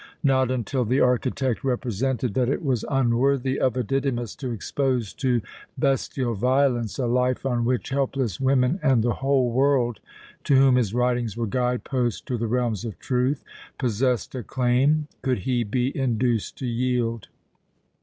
Not until the architect represented that it was unworthy of a Didymus to expose to bestial violence a life on which helpless women and the whole world to whom his writings were guide posts to the realms of truth possessed a claim, could he be induced to yield.